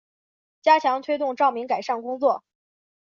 加强推动照明改善工作